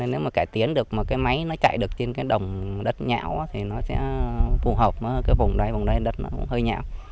nếu mà cải tiến được mà cái máy nó chạy được trên cái đồng đất nhão thì nó sẽ phù hợp với cái vùng đây vùng đây đất nó cũng hơi nhão